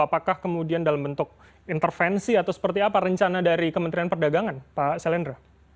apakah kemudian dalam bentuk intervensi atau seperti apa rencana dari kementerian perdagangan pak selendra